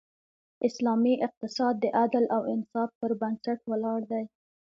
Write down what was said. اسلامی اقتصاد د عدل او انصاف پر بنسټ ولاړ دی.